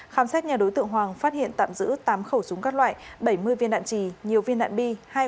khám xét nhà đối tượng hoàng phát hiện tạm giữ tám khẩu súng các loại bảy mươi viên đạn trì nhiều viên đạn bi